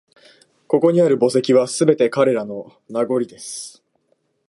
ここにある墓石は、すべて彼らの…名残です